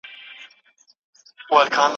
سوسيالستي هېوادونو ورته اقتصادي تګلارې درلودلې.